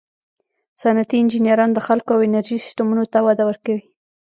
صنعتي انجینران د خلکو او انرژي سیسټمونو ته وده ورکوي.